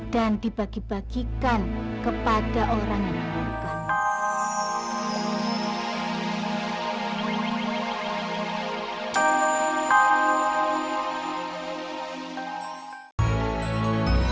dan dibagi bagikan kepada orang yang mengorbankan